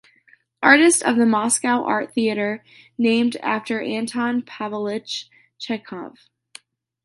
Artist of the Moscow Art Theatre named after Anton Pavlovich Chekhov.